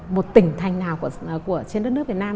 một tỉnh thành nào trên đất nước việt nam